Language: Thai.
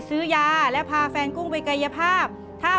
เปลี่ยนเพลงเพลงเก่งของคุณและข้ามผิดได้๑คำ